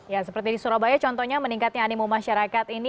ya seperti di surabaya contohnya meningkatnya animo masyarakat ini